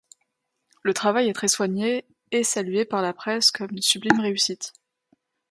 Le travail est très soigné et salué par la presse comme une sublime réussite.